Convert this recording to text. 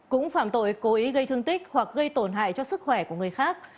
cũng phạm tội cố ý gây thương tích hoặc gây tổn hại cho sức khỏe của người khác